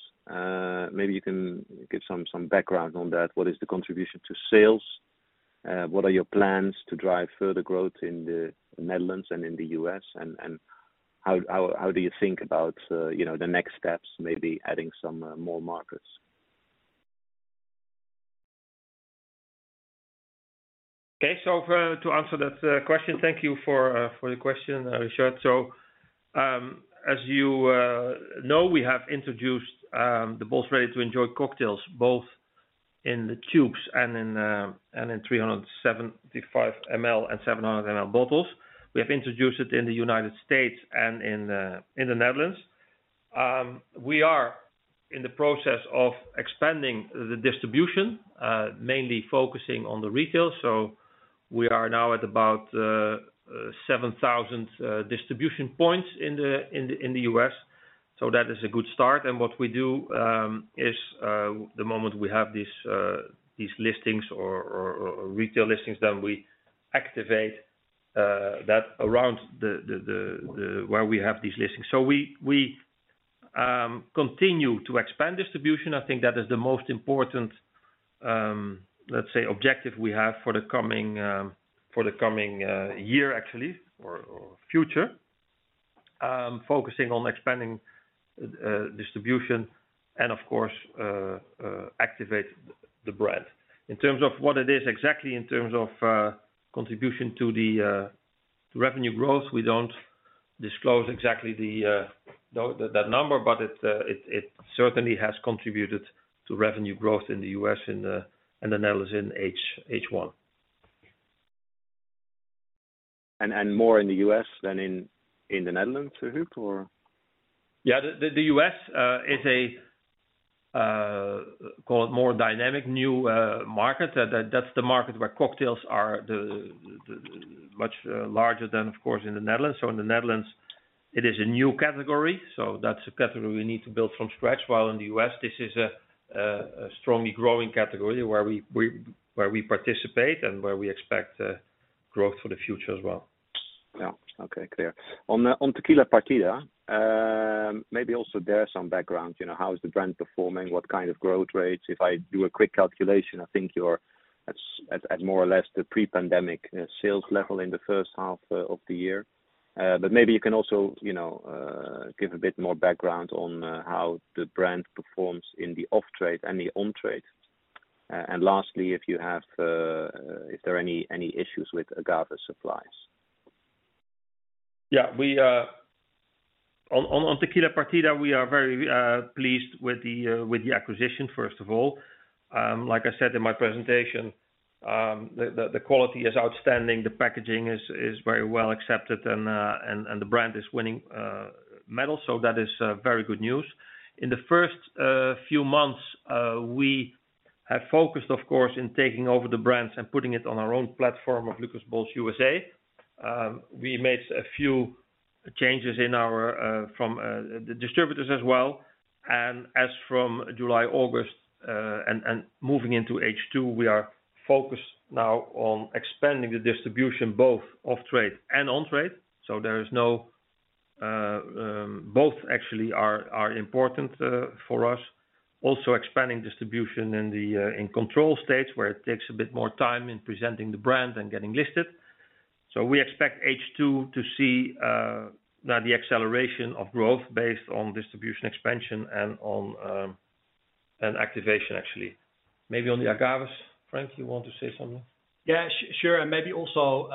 maybe you can give some background on that. What is the contribution to sales? What are your plans to drive further growth in the Netherlands and in the U.S.? How do you think about, you know, the next steps, maybe adding some more markets? Okay. To answer that question. Thank you for the question, Richard. As you know, we have introduced Bols Ready to Enjoy cocktails, both in the tubes and in 375 ml and 700 ml bottles. We have introduced it in the United States and in the Netherlands. We are in the process of expanding the distribution, mainly focusing on the retail. We are now at about 7,000 distribution points in the U.S. That is a good start. What we do is the moment we have these listings or retail listings, then we activate that around where we have these listings. We continue to expand distribution. I think that is the most important, let's say, objective we have for the coming year actually, or future. Focusing on expanding distribution and of course activate the brand. In terms of what it is exactly in terms of contribution to the revenue growth, we don't disclose exactly that number, but it certainly has contributed to revenue growth in the U.S. and the Netherlands in H1. More in the U.S. than in the Netherlands, Huub, or? Yeah. The U.S. is a, call it, more dynamic new market. That's the market where cocktails are the much larger than, of course, in the Netherlands. In the Netherlands it is a new category, so that's a category we need to build from scratch. While in the U.S. this is a strongly growing category where we participate and where we expect growth for the future as well. Yeah. Okay. Clear. On Tequila Partida, maybe also there's some background, you know, how is the brand performing? What kind of growth rates? If I do a quick calculation, I think you're at more or less the pre-pandemic sales level in the first half of the year. Maybe you can also, you know, give a bit more background on how the brand performs in the off-trade and the on-trade. Lastly, if there are any issues with agave supplies. Yeah. On Tequila Partida, we are very pleased with the acquisition, first of all. Like I said in my presentation, the quality is outstanding. The packaging is very well accepted, and the brand is winning medals, so that is very good news. In the first few months, we have focused of course in taking over the brands and putting it on our own platform of Lucas Bols USA. We made a few changes in our distributors as well. As from July, August, and moving into H2, we are focused now on expanding the distribution both off-trade and on-trade. Both actually are important for us. Also expanding distribution in control states where it takes a bit more time in presenting the brand and getting listed. We expect H2 to see now the acceleration of growth based on distribution expansion and on activation actually. Maybe on the agaves, Frank, you want to say something? Yeah, sure. Maybe also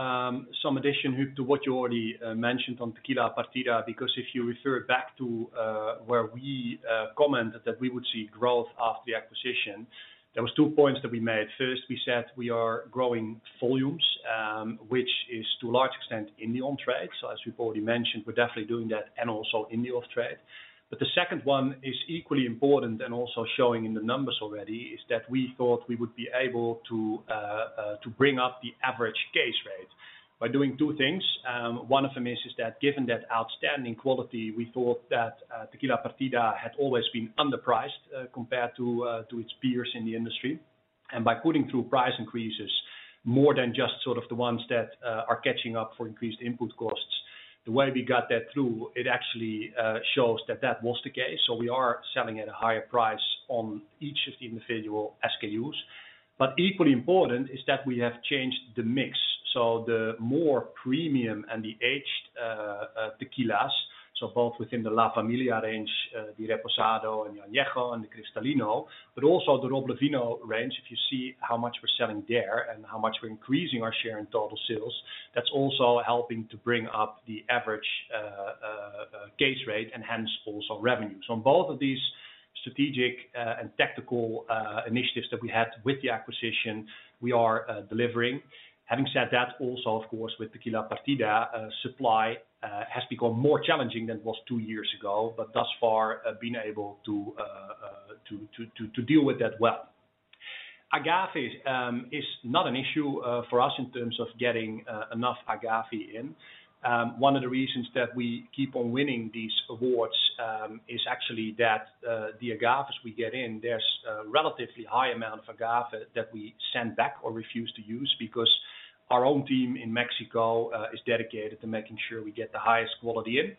some addition, Huub, to what you already mentioned on Tequila Partida, because if you refer back to where we commented that we would see growth after the acquisition, there was two points that we made. First, we said we are growing volumes, which is to a large extent in the on-trade. As we've already mentioned, we're definitely doing that and also in the off-trade. The second one is equally important and also showing in the numbers already, is that we thought we would be able to bring up the average case rate by doing two things. One of them is that given that outstanding quality, we thought that Tequila Partida had always been underpriced compared to its peers in the industry. By putting through price increases more than just sort of the ones that are catching up for increased input costs, the way we got that through it actually shows that that was the case. We are selling at a higher price on each of the individual SKUs. Equally important is that we have changed the mix. The more premium and the aged tequilas, so both within the La Familia range, the Reposado and Añejo, and the Cristalino, but also the Roble Fino range, if you see how much we're selling there and how much we're increasing our share in total sales, that's also helping to bring up the average case rate and hence also revenue. On both of these strategic and tactical initiatives that we had with the acquisition, we are delivering. Having said that, also of course, with Tequila Partida, supply has become more challenging than it was two years ago, but thus far have been able to deal with that well. Agave is not an issue for us in terms of getting enough agave in. One of the reasons that we keep on winning these awards is actually that the agaves we get in, there's a relatively high amount of agave that we send back or refuse to use because our own team in Mexico is dedicated to making sure we get the highest quality in.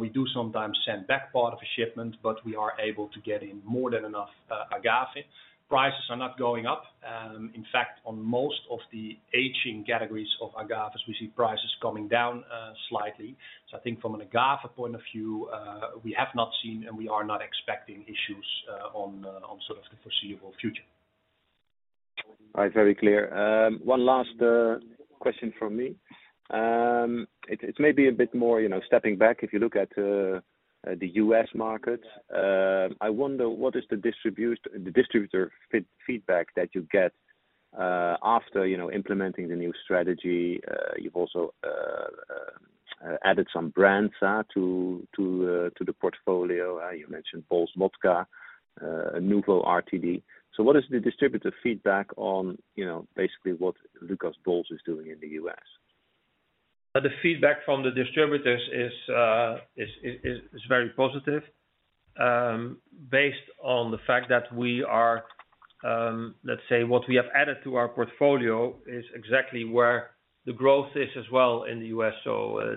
We do sometimes send back part of a shipment, but we are able to get in more than enough agave. Prices are not going up. In fact, on most of the aging categories of agaves, we see prices coming down slightly. I think from an agave point of view, we have not seen and we are not expecting issues on sort of the foreseeable future. All right. Very clear. One last question from me. It may be a bit more, you know, stepping back. If you look at the U.S. market, I wonder what is the distributor feedback that you get after, you know, implementing the new strategy. You've also added some brands to the portfolio. You mentioned Bols Vodka, Nuvo RTD. What is the distributor feedback on, you know, basically what Lucas Bols is doing in the U.S.? The feedback from the distributors is very positive, based on the fact that what we have added to our portfolio is exactly where the growth is as well in the U.S.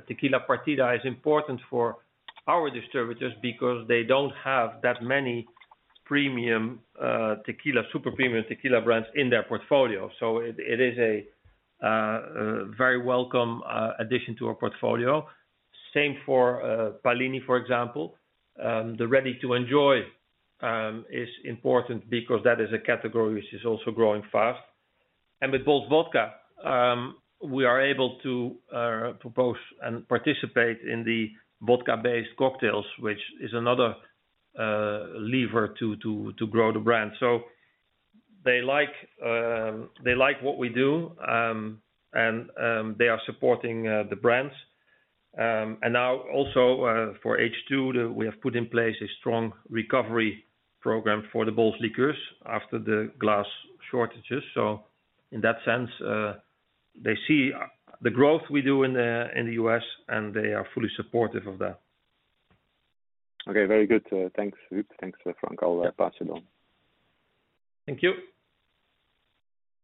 Tequila Partida is important for our distributors because they don't have that many premium tequila, super premium tequila brands in their portfolio. It is a very welcome addition to our portfolio. Same for Pallini, for example. The Ready to Enjoy is important because that is a category which is also growing fast. With Bols Vodka, we are able to propose and participate in the vodka-based cocktails, which is another lever to grow the brand. They like what we do, and they are supporting the brands. Now also for H2, we have put in place a strong recovery program for the Bols Liqueurs after the glass shortages. In that sense, they see the growth we do in the U.S., and they are fully supportive of that. Okay. Very good. Thanks, Huub. Thanks, Frank. I'll pass it on. Thank you.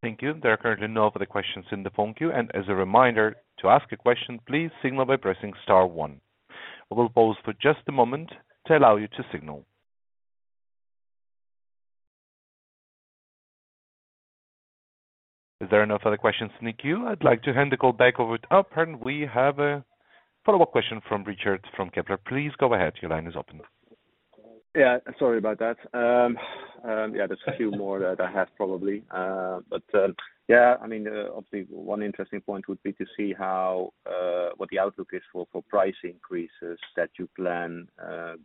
Thank you. There are currently no other questions in the phone queue. As a reminder, to ask a question, please signal by pressing star one. We'll pause for just a moment to allow you to signal. Is there no further questions in the queue? I'd like to hand the call back over to Operator. We have a follow-up question from Richard from Kepler. Please go ahead. Your line is open. Yeah, sorry about that. Yeah, there's a few more that I have probably. Yeah, I mean, obviously one interesting point would be to see what the outlook is for price increases that you plan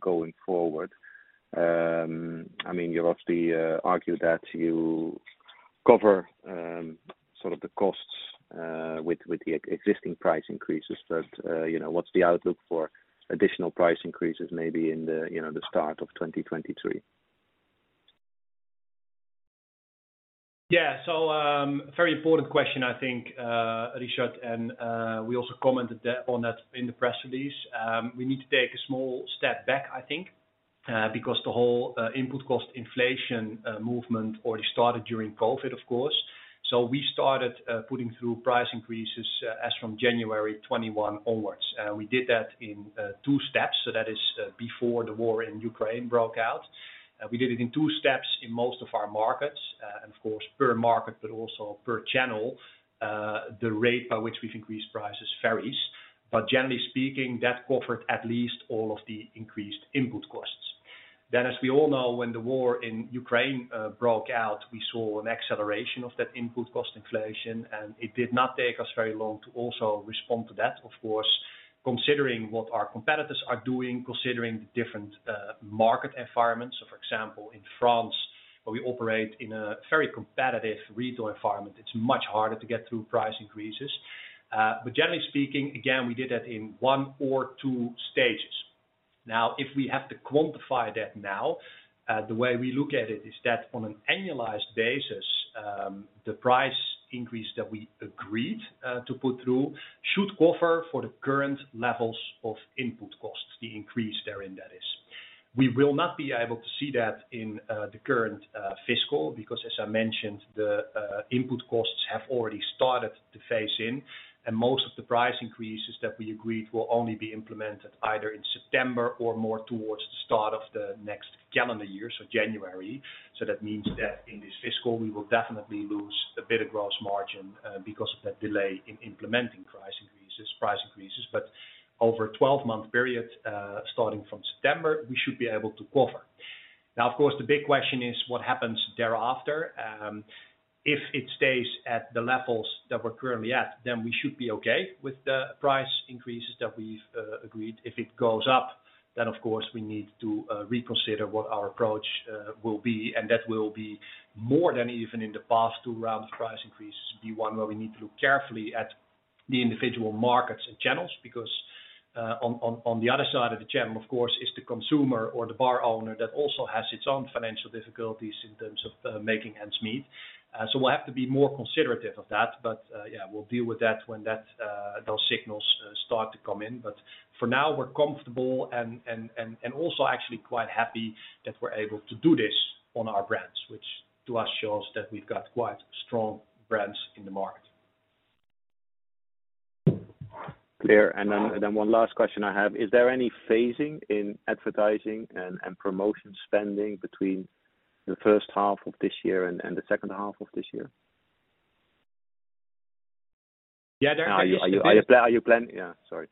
going forward. I mean, you obviously argue that you cover sort of the costs with the existing price increases, but you know, what's the outlook for additional price increases maybe in the, you know, the start of 2023? Yeah. Very important question, I think, Richard, and we also commented on that in the press release. We need to take a small step back, I think, because the whole input cost inflation movement already started during COVID-19, of course. We started putting through price increases as from January 2021 onwards. We did that in two steps. That is before the war in Ukraine broke out. We did it in two steps in most of our markets, and of course, per market, but also per channel. The rate by which we've increased prices varies. Generally speaking, that covered at least all of the increased input costs. Then as we all know, when the war in Ukraine, uh, broke out, we saw an acceleration of that input cost inflation, and it did not take us very long to also respond to that, of course, considering what our competitors are doing, considering the different, uh, market environments. So for example, in France, where we operate in a very competitive retail environment, it's much harder to get through price increases. Uh, but generally speaking, again, we did that in one or two stages. Now, if we have to quantify that now, uh, the way we look at it is that on an annualized basis, um, the price increase that we agreed, uh, to put through should cover for the current levels of input costs, the increase therein, that is. We will not be able to see that in the current fiscal because as I mentioned, the input costs have already started to phase in, and most of the price increases that we agreed will only be implemented either in September or more towards the start of the next calendar year, so January. That means that in this fiscal, we will definitely lose a bit of gross margin because of that delay in implementing price increases. Over a 12-month period starting from September, we should be able to cover. Now, of course, the big question is what happens thereafter. If it stays at the levels that we're currently at, then we should be okay with the price increases that we've agreed. If it goes up, then of course we need to reconsider what our approach will be, and that will be more than even in the past two rounds of price increases, be one where we need to look carefully at the individual markets and channels, because on the other side of the channel, of course, is the consumer or the bar owner that also has its own financial difficulties in terms of making ends meet. We'll have to be more considerative of that. Yeah, we'll deal with that when those signals start to come in. For now, we're comfortable and also actually quite happy that we're able to do this on our brands, which to us shows that we've got quite strong brands in the market. Clear. One last question I have. Is there any phasing in advertising and promotion spending between the first half of this year and the second half of this year? Yeah, there are. Are you planning? Yeah, sorry.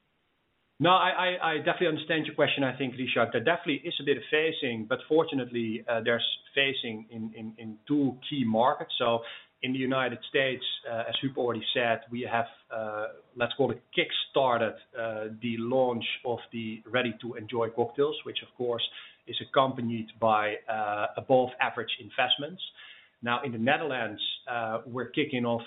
I definitely understand your question, I think, Richard. There definitely is a bit of phasing, but fortunately, there's phasing in two key markets. In the United States, as Huub already said, we have, let's call it kickstarted, the launch of the ready-to-enjoy cocktails, which of course is accompanied by above-average investments. Now, in the Netherlands, we're kicking off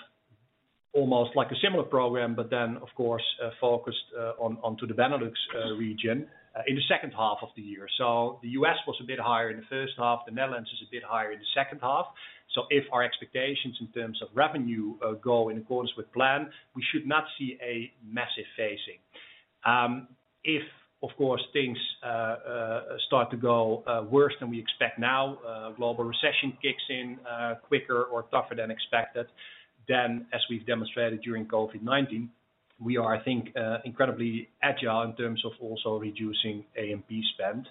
almost like a similar program, but then of course, focused onto the Benelux region in the second half of the year. The U.S. was a bit higher in the first half. The Netherlands is a bit higher in the second half. If our expectations in terms of revenue go in accordance with plan, we should not see a massive phasing. Um, if, of course, things, uh, start to go, uh, worse than we expect now, uh, global recession kicks in, uh, quicker or tougher than expected, then as we've demonstrated during COVID-19, we are, I think, uh, incredibly agile in terms of also reducing A&P spend.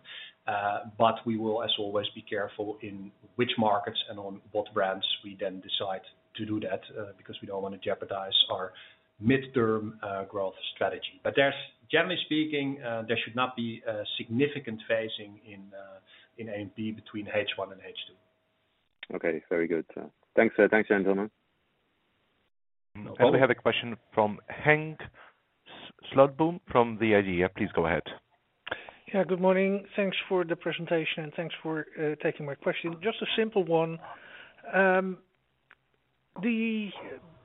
Uh, but we will, as always, be careful in which markets and on what brands we then decide to do that, uh, because we don't wanna jeopardize our midterm, uh, growth strategy. But there's... Generally speaking, uh, there should not be a significant phasing in, uh, in A&P between H1 and H2. Okay, very good. Thanks, Frank. No problem. We have a question from Henk Slotboom from the IDEA!. Yeah, please go ahead. Yeah, good morning. Thanks for the presentation, and thanks for taking my question. Just a simple one. The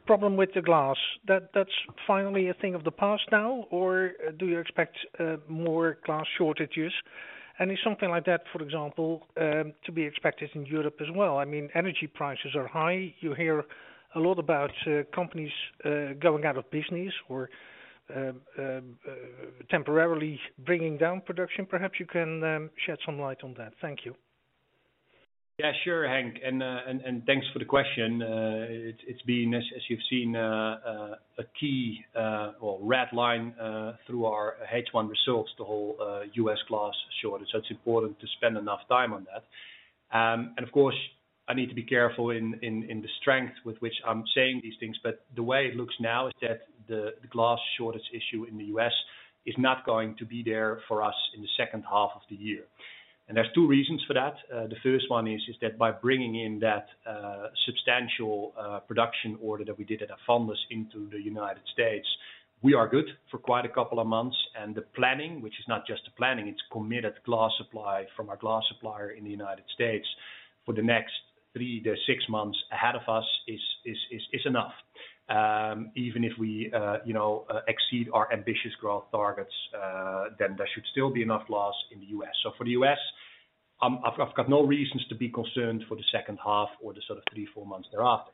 problem with the glass, that's finally a thing of the past now, or do you expect more glass shortages? Is something like that, for example, to be expected in Europe as well? I mean, energy prices are high. You hear a lot about companies going out of business or temporarily bringing down production. Perhaps you can shed some light on that. Thank you. Yeah, sure, Henk, thanks for the question. It's been as you've seen a key or red line through our H1 results, the whole U.S. glass shortage. It's important to spend enough time on that. Of course, I need to be careful in the strength with which I'm saying these things, but the way it looks now is that the glass shortage issue in the U.S. is not going to be there for us in the second half of the year. There's two reasons for that. The first one is that by bringing in that substantial production order that we did at Avandis into the United States, we are good for quite a couple of months. The planning, which is not just the planning, it's committed glass supply from our glass supplier in the United States for the next 3-6 months ahead of us is enough. Even if we, you know, exceed our ambitious growth targets, then there should still be enough glass in the U.S. For the U.S., I've got no reasons to be concerned for the second half or the sort of 3-4 months thereafter.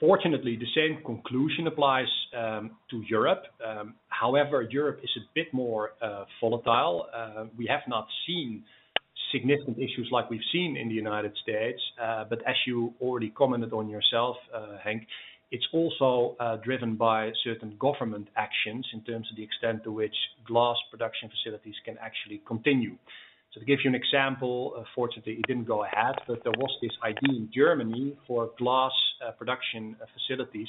Fortunately, the same conclusion applies to Europe. However, Europe is a bit more volatile. We have not seen significant issues like we've seen in the United States. As you already commented on yourself, Henk, it's also driven by certain government actions in terms of the extent to which glass production facilities can actually continue. To give you an example, unfortunately, it didn't go ahead, but there was this idea in Germany for glass production facilities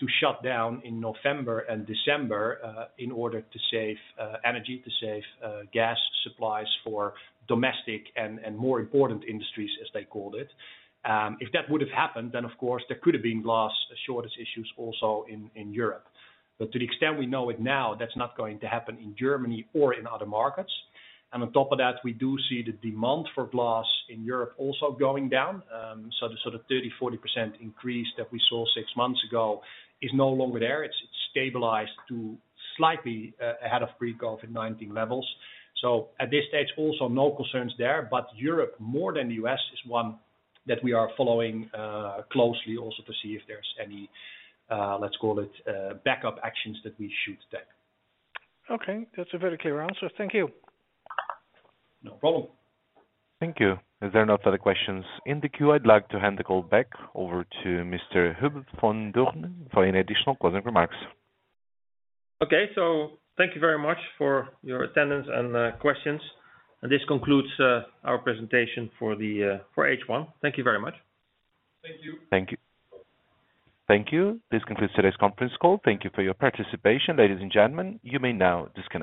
to shut down in November and December in order to save energy, to save gas supplies for domestic and more important industries, as they called it. If that would've happened, then of course there could have been glass shortage issues also in Europe. To the extent we know it now, that's not going to happen in Germany or in other markets. On top of that, we do see the demand for glass in Europe also going down. The sort of 30%-40% increase that we saw six months ago is no longer there. It's stabilized to slightly ahead of pre-COVID-19 levels. At this stage, also no concerns there. Europe, more than the U.S., is one that we are following closely also to see if there's any, let's call it, backup actions that we should take. Okay. That's a very clear answer. Thank you. No problem. Thank you. As there are no further questions in the queue, I'd like to hand the call back over to Mr. Huub van Doorne for any additional closing remarks. Okay. Thank you very much for your attendance and questions. This concludes our presentation for H1. Thank you very much. Thank you. Thank you. Thank you. This concludes today's conference call. Thank you for your participation. Ladies and gentlemen, you may now disconnect.